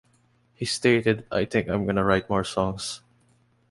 He stated, "I think I'm gonna write more songs".